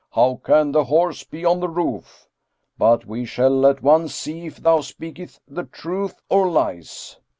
How can the horse be on the roof? But we shall at once see if thou speak the truth or lies."